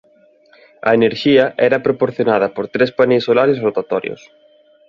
A enerxía era proporcionada por tres paneis solares rotatorios.